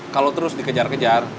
kalau terus dikejar kejar